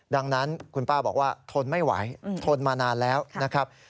ดังนั้นคุณป้าบอกว่าทนไม่ไหวทนมานานแล้วนะครับ